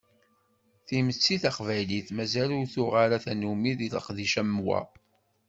Timetti taqbaylit, mazal ur tuɣ ara tannumi deg leqdic am wa.